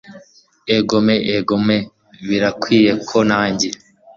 egome, egome, birakwiye ko nanjye